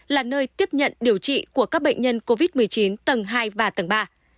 là nơi tiếp nhận điều trị của các bệnh nhân covid một mươi chín tầng hai và tầng ba